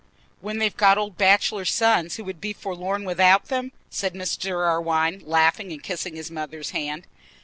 "When they've got old bachelor sons who would be forlorn without them," said Mr. Irwine, laughing, and kissing his mother's hand.